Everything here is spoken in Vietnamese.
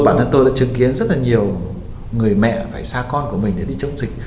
bản thân tôi đã chứng kiến rất là nhiều người mẹ phải xa con của mình để đi chống dịch